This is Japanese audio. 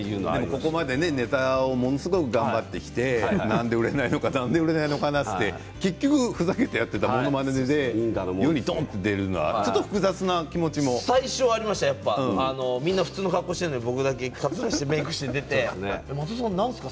ここまでネタをものすごく頑張ってきてなんで売れないのかな？と思って結局ふざけてやったものまねで世にどんと出るのは複雑な気持ちも？ありました、みんな普通の格好してるのに僕だけかつらをしてメークをして松尾さん何ですか？